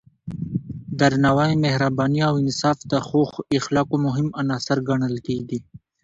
درناوی، مهرباني او انصاف د ښو اخلاقو مهم عناصر ګڼل کېږي.